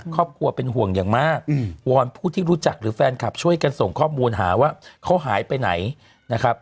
ครอบครัวเป็นห่วงอย่างมากวอนผู้ที่รู้จักหรือแฟนคลับช่วยกันส่งข้อมูลหาว่าเขาหายไปไหนนะครับ